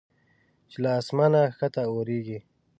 چې له اسمانه کښته اوریږي